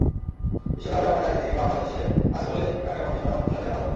বিশ্বকাপের অনেক আগে থেকেই বাংলাদেশে আছে বলে এখানকার কন্ডিশনও ভালোই চেনা লঙ্কানদের।